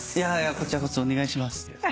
こちらこそお願いします。